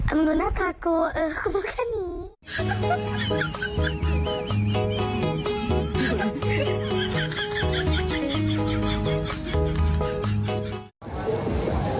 มึงดูหน้ากากูเออกูมึงก็หนี